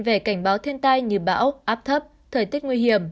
về cảnh báo thiên tai như bão áp thấp thời tiết nguy hiểm